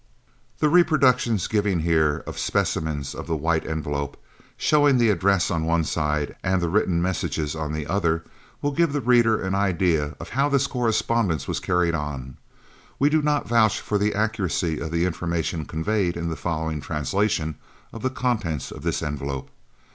The reproductions given here of specimens of the White Envelope, showing the address on one side and the written messages on the other, will give the reader an idea of how this correspondence was carried on. We do not vouch for the accuracy of the information conveyed in the following translation of the contents of this envelope.